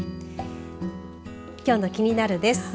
きょうのキニナル！です。